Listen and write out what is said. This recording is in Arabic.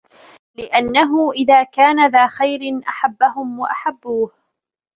لِأَنَّهُ إذَا كَانَ ذَا خَيْرٍ أَحَبَّهُمْ وَأَحَبُّوهُ